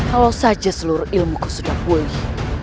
kalau saja seluruh ilmu ku sudah pulih